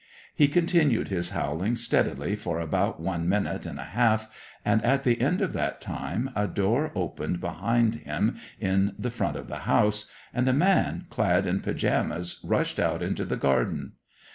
He continued his howling steadily for about one minute and a half, and at the end of that time a door opened behind him in the front of the house, and a man clad in pyjamas rushed out into the garden.